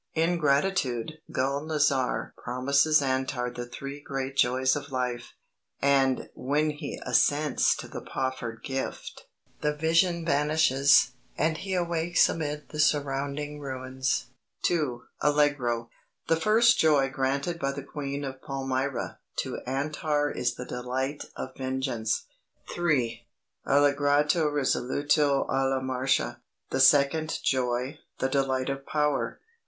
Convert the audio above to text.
In gratitude Gul nazar promises Antar the three great joys of life, and, when he assents to the proffered gift, the vision vanishes, and he awakes amid the surrounding ruins." II [Allegro] "The first joy granted by the Queen of Palmyra to Antar is the delight of vengeance." III [Allegro risoluto alla Marcia] "The second joy the delight of power."